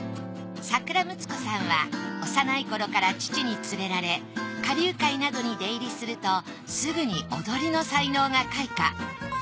桜むつ子さんは幼い頃から父に連れられ花柳界などに出入りするとすぐに踊りの才能が開花。